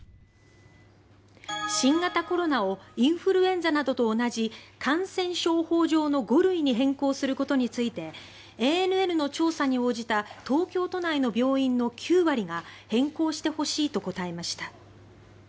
新型コロナをインフルエンザなどと同じ感染症法上の５類に変更することについてＡＮＮの調査に応じた東京都内の病院の９割が変更してほしいと答えました。